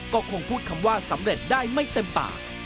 ก็คงพูดคำว่าสำเร็จได้ไม่เต็มปาก